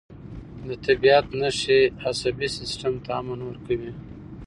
د طبیعت نښې عصبي سیستم ته امن ورکوي.